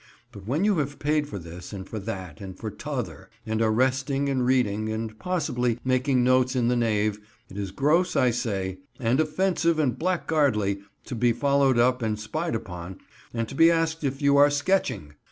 But, when you have paid for this and for that and for t'other, and are resting and reading, and possibly making notes in the nave, it is gross, I say, and offensive and blackguardly to be followed up and spied upon and to be asked if you are sketching!